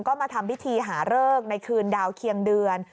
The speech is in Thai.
ก็มาทำพิธีหาเลิกในคืนดาวเคียงเดือน